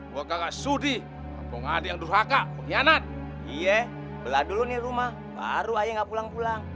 gua kagak sudi ngapain ada yang durhaka pengkhianat iya belah dulu nih rumah baru aja nggak pulang pulang